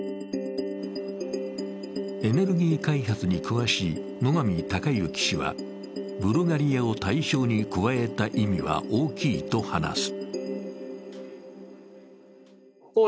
エネルギー開発に詳しい野神隆之氏はブルガリアを対象に加えた意味は大きいと話す。